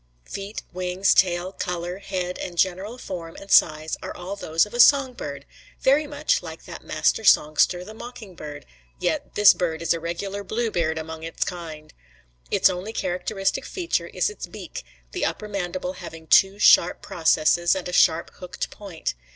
Feet, wings, tail, color, head, and general form and size are all those of a song bird, very much like that master songster, the mockingbird, yet this bird is a regular Bluebeard among its kind. Its only characteristic feature is its beak, the upper mandible having two sharp processes and a sharp hooked point.